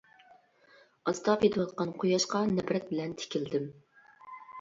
ئاستا پېتىۋاتقان قۇياشقا نەپرەت بىلەن تىكىلدىم.